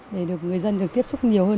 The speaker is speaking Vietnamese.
để người dân được tiếp xúc nhiều hơn